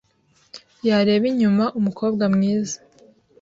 Yareba inyuma umukobwa mwiza.